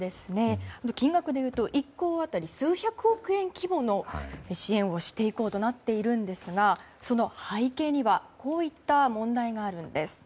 金額でいうと１校当たり数百億円規模の支援をしていこうとなっているんですがその背景にはこういった問題があるんです。